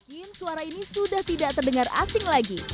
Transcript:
yen suara ini sudah tidak terdengar asing lagi